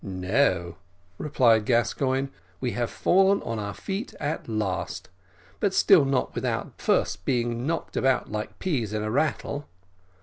"No," replied Gascoigne; "we have fallen on our feet at last, but still not without first being knocked about like peas in a rattle.